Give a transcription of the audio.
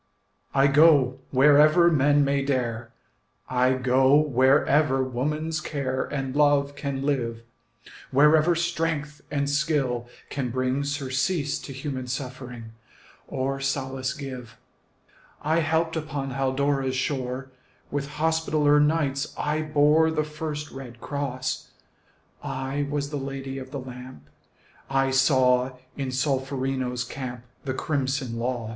I go wherever men may dare, I go wherever woman's care And love can live, Wherever strength and skill can bring Surcease to human suffering, Or solace give. I helped upon Haldora's shore; With Hospitaller Knights I bore The first red cross; I was the Lady of the Lamp; I saw in Solferino's camp The crimson loss.